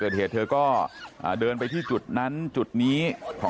ชิบอาวุธ